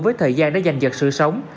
với thời gian đã dành dật sự sống